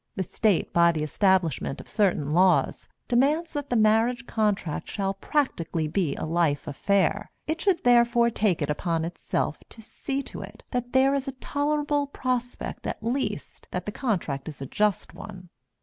The State, by the establishment of certain laws, demands that the marriage contract shall practically be a life affair. It should therefore take it upon itself to see to it that there is a tolerable prospect at least that the contract is a just one.